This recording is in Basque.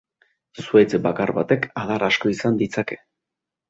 Zuhaitz bakar batek adar asko izan ditzake.